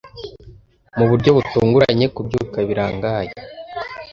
mu buryo butunguranye kubyuka birangaye